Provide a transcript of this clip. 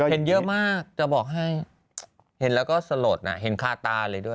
เห็นเยอะมากจะบอกให้เห็นแล้วก็สลดเห็นคาตาเลยด้วย